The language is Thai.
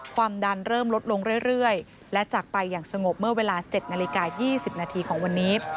ความดันเริ่มลดลงเรื่อยและจากไปอย่างสงบเมื่อเวลา๗นาฬิกา๒๐นาทีของวันนี้